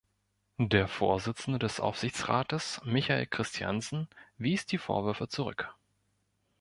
Der Vorsitzende des Aufsichtsrates Michael Christiansen wies die Vorwürfe zurück.